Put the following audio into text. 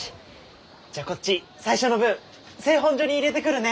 じゃあこっち最初の分製本所に入れてくるね！